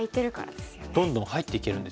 どんどん入っていけるんですよね。